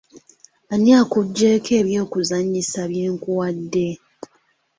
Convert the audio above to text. Ani akuggyeeko ebyokuzannyisa bye nkuwadde?